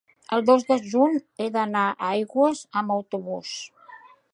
El dos de juny he d'anar a Aigües amb autobús.